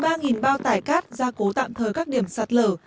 dùng ba bao tải cát ra cố tạm thời các điểm sạt lở